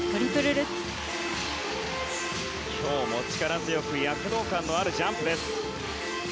今日も、力強く躍動感のあるジャンプです。